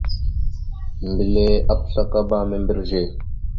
Mbelle apəslakala membreze.